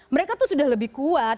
mereka tuh sudah lebih kuat